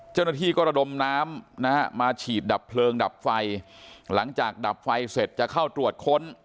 เจ้าหน้าที่ก็ระดมน้ำนะฮะมาฉีดดับเพลิงดับไฟหลังจากดับไฟเสร็จจะเข้าตรวจค้น